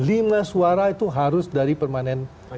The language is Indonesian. lima suara itu harus dari permanen